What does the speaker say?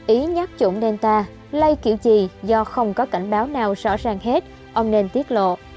ý nhắc chủng delta lây kiểu gì do không có cảnh báo nào rõ ràng hết ông nên tiết lộ